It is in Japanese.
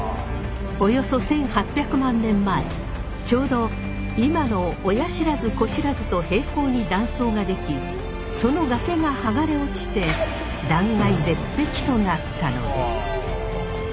およそ１，８００万年前ちょうど今の親不知・子不知と平行に断層ができその崖が剥がれ落ちて断崖絶壁となったのです。